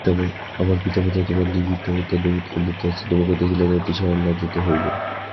আমার পিতা মাতা তোমার নিমিত্ত অত্যন্ত উৎকণ্ঠিত আছেন, তোমাকে দেখিলে অতিশয় আহ্লাদিত হইবেন।